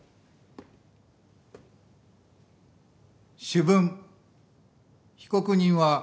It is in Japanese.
主文被告人は無罪。